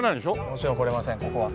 もちろん来れませんここは。